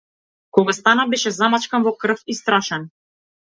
Кога стана беше замачкан во крв и страшен.